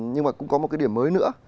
nhưng mà cũng có một cái điểm mới nữa